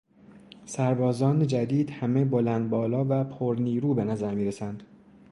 سربازان جدید همه بلند بالا و پر نیرو به نظر میرسند.